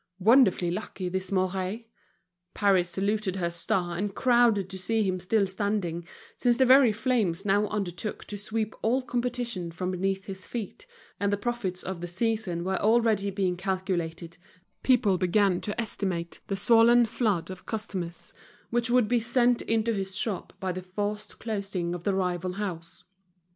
Wonderfully lucky, this Mouret! Paris saluted her star, and crowded to see him still standing, since the very flames now undertook to sweep all competition from beneath his feet; and the profits of the season were already being calculated, people began to estimate the swollen flood of customers which would be sent into his shop by the forced closing of the rival house.